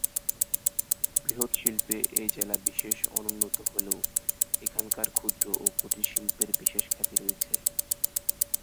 বৃহৎ শিল্পে এই জেলা বিশেষ অনুন্নত হলেও এখানকার ক্ষুদ্র ও কুটির শিল্পের বিশেষ খ্যাতি রয়েছে।